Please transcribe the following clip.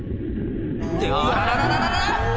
「ってあららら！」